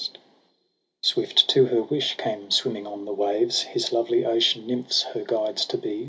t G i 84 EROS & PSYCHE Swift to her wish came swimming on the waves His lovely ocean nymphs, her guides to be.